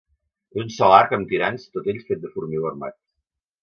És un sol arc amb tirants tot ell fet de formigó armat.